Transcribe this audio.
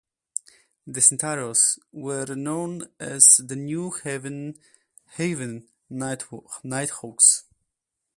The Senators were known as the New Haven Nighthawks.